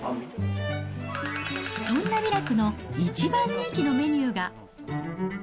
そんな味楽の一番人気のメニューが。